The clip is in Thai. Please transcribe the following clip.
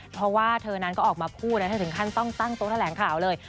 เพราะว่าเธอนั้นก็ออกมาพูดนะเธอถึงขั้นต้องตั้งโต๊ะแถลงข่าวเลย